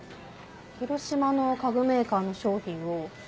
広島の家具メーカーの商品をＯｈ！